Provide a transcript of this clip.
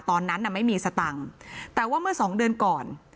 ตอนนั้นน่ะไม่มีสตังค์แต่ว่าเมื่อสองเดือนก่อน